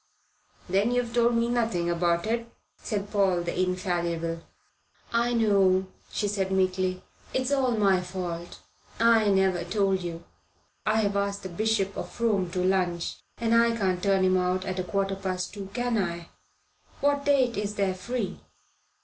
"Then you've told me nothing about it," said Paul the infallible. "I know," she said meekly. "It's all my fault. I never told you. I've asked the Bishop of Frome to lunch, and I can't turn him out at a quarter past two, can I? What date is there free?"